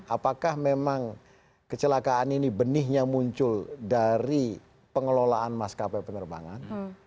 apakah memang kecelakaan ini benihnya muncul dari pengelolaan maskapai penerbangan